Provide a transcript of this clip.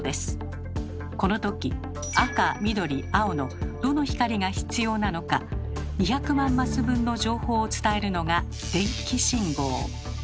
この時赤緑青のどの光が必要なのか２００万マス分の情報を伝えるのが「電気信号」。